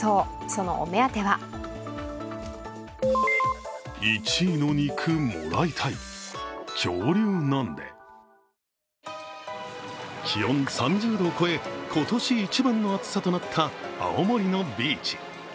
そのお目当ては気温３０度を超え、今年一番の暑さとなった青森のビーチ。